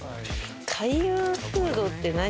開運フードって何？